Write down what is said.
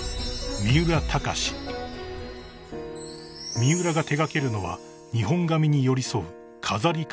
［三浦が手掛けるのは日本髪に寄り添う］